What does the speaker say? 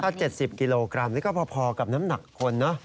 ถ้า๗๐กิโลกรัมนี่ก็พอกับน้ำหนักคนนะ